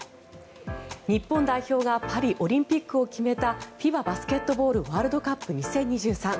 日本代表がパリオリンピックを決めたＦＩＢＡバスケットボールワールドカップ２０２３。